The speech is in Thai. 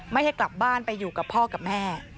ให้กลับบ้านไปอยู่กับพ่อกับแม่